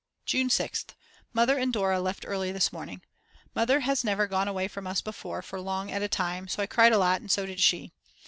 June 6th. Mother and Dora left early this morning. Mother has never gone away from us before for long at a time, so I cried a lot and so did she.